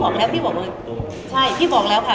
บอกแล้วพี่บอกเลยใช่พี่บอกแล้วค่ะ